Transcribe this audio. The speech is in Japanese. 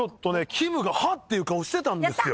きむがハッ！っていう顔してたんですよ。